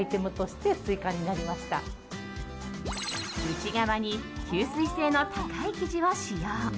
内側に吸水性の高い生地を使用。